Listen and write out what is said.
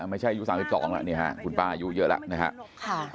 ไม่ใช่อายุ๓๒แล้วคุณป้าอายุเยอะแล้วนะครับ